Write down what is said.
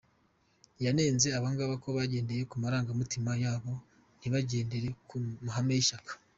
Yanenze abangaba ko bagendeye ku marangamutima yabo ntibagendere ku mahame y’ishyaka.